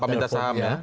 apa minta saham ya